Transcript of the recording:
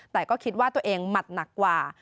แต่ก็คิดว่าตัวเองหมัดหนักกว่า